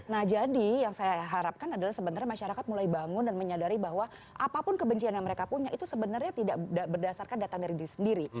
nah jadi yang saya harapkan adalah sebenarnya masyarakat mulai bangun dan menyadari bahwa apapun kebencian yang mereka punya itu sebenarnya tidak berdasarkan datang dari diri sendiri